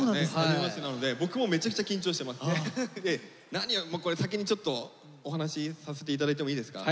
はじめましてなので先にちょっとお話しさせていただいてもいいですか？